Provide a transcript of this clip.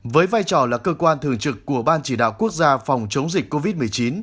với vai trò là cơ quan thường trực của ban chỉ đạo quốc gia phòng chống dịch covid một mươi chín